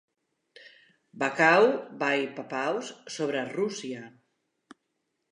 Vakaus vai vapaus sobre Rússia.